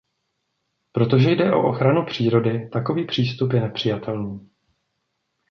Protože jde o ochranu přírody, takový přístup je nepřijatelný.